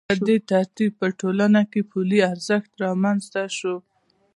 په دې ترتیب په ټولنه کې پولي ارزښت رامنځته شو